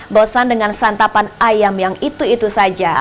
bosan dengan santapan ayam yang itu itu saja